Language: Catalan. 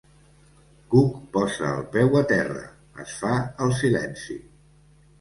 Cook posa el peu a terra es fa el silenci.